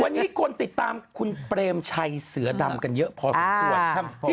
วันนี้คนติดตามคุณเปรมชัยเสือดำกันเยอะพอสมควร